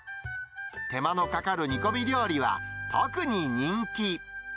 手間のかかる煮込み料理は、特に人気。